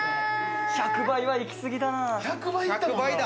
１００倍は行き過ぎだな。